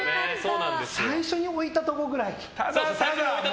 最初に置いたところくらい。